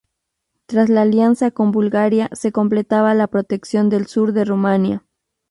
Tras la alianza con Bulgaria se completaba la protección del sur de Rumanía.